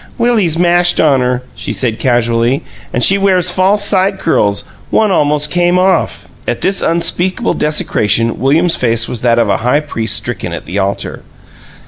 "Willie's mashed on her," she said, casually. "And she wears false side curls. One almost came off." At this unspeakable desecration William's face was that of a high priest stricken at the altar.